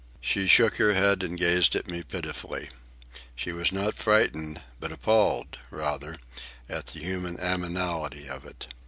She shook her head and gazed at me pitifully. She was not frightened, but appalled, rather, at the human animality of it.